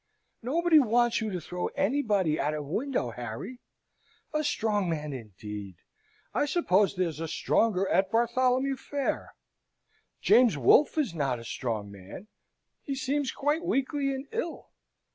Nobody wants you to throw anybody out of window, Harry! A strong man, indeed! I suppose there's a stronger at Bartholomew Fair. James Wolfe is not a strong man. He seems quite weakly and ill.